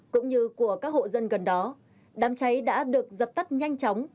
cũng như của các hộ dân gần đó đám cháy đã được dập tắt nhanh chóng